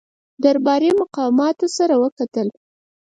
درباري مقاماتو سره وکتل.